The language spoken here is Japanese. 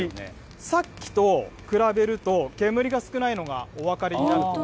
さっきと比べると、煙が少ないのがお分かりになると。